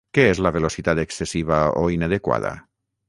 Què és la velocitat excessiva o inadequada?